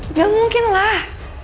nggak mungkin lah